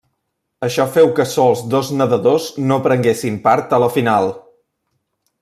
Això feu que sols dos nedadors no prenguessin part a la final.